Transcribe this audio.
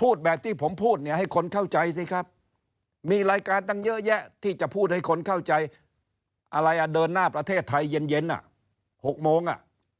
พูดแบบที่ผมพูดเนี่ยให้คนเข้าใจสิครับมีรายการตั้งเยอะแยะที่จะพูดให้คนเข้าใจอะไรอ่ะเดินหน้าประเทศไทยเย็น๖โมงอ่ะ